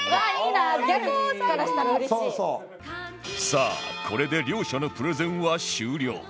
さあこれで両者のプレゼンは終了